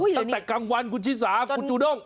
ต้นกลางวันคุณศิสาคุณจุด้ง